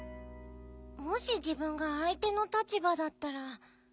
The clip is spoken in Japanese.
もしじぶんがあい手の立ばだったら。